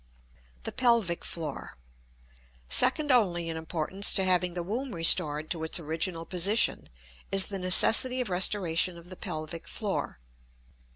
The Pelvic Floor. Second only in importance to having the womb restored to its original position is the necessity of restoration of the pelvic floor.